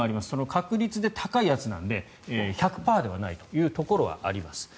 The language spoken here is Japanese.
確率で高いやつなので１００％ではないというところはあります。